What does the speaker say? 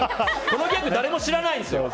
このギャグ誰も知らないですよ！